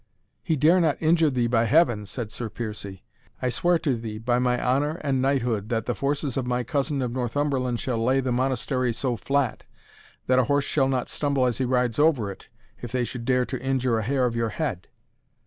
"He dare not injure thee, by Heaven!" said Sir Piercie; "I swear to thee, by my honour and knighthood, that the forces of my cousin of Northumberland shall lay the Monastery so flat, that a horse shall not stumble as he rides over it, if they should dare to injure a hair of your head!